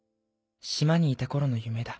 島にいた頃の夢だ